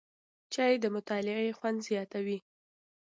چای د مطالعې خوند زیاتوي